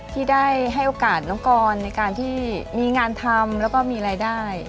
ที่ได้ให้โอกาสน้องกรในการที่มีงานทำแล้วก็มีรายได้